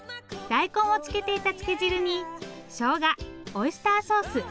大根をつけていたつけ汁にショウガオイスターソース。